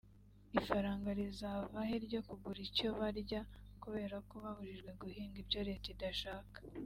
ifaranga rizava he ryo kugura icyo barya kubera ko babujijwe guhinga ibyo leta idashaka